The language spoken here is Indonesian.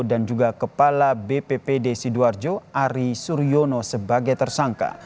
dan juga kepala bppd sidoarjo ari suryono sebagai tersangka